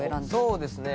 そうですね。